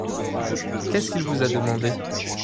Qu'est-ce qu'il vous a demandé ?